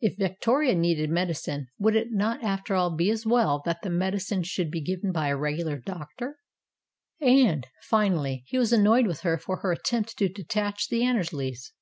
If Victoria needed medi cine, would it not after all be as well that the medicine should be given by a regular doctor? And, finally, he was annoyed with her for her attempt to detach the Annersleys.